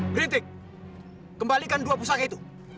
kritik kembalikan dua pusaka itu